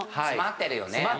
詰まってるよね。